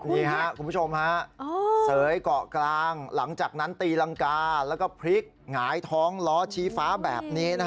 นี่ครับคุณผู้ชมฮะเสยเกาะกลางหลังจากนั้นตีรังกาแล้วก็พลิกหงายท้องล้อชี้ฟ้าแบบนี้